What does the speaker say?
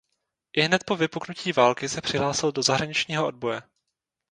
Ihned po vypuknutí války se přihlásil do zahraničního odboje.